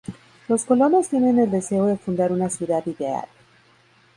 Los colonos tienen el deseo de fundar una ciudad ideal.